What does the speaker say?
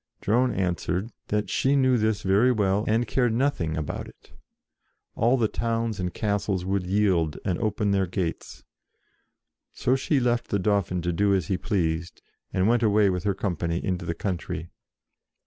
Joan answered that she knew this very well, and cared nothing about it : all the towns and castles would yield and open their gates. So she left the Dauphin to do as he pleased, and went away with her company into the country.